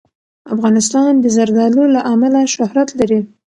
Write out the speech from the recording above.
افغانستان د زردالو له امله شهرت لري.